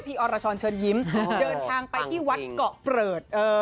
อรชรเชิญยิ้มเดินทางไปที่วัดเกาะเปลือด